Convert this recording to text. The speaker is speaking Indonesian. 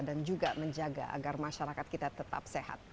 dan juga menjaga agar masyarakat kita tetap sehat